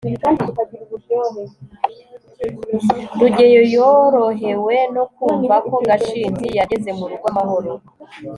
rugeyo yorohewe no kumva ko gashinzi yageze mu rugo amahoro